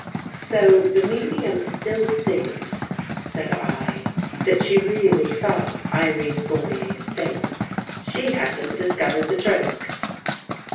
" So the medium still thinks," said I, " that she really saw Irene Fournier's face. She hasn't dis covered the trick."